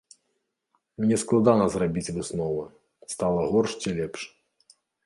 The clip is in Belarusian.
Мне складана зрабіць высновы, стала горш ці лепш.